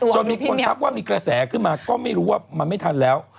จนมีคนทักว่ามีกระแสขึ้นมาก็ไม่รู้ว่ามันไม่ทันแล้ว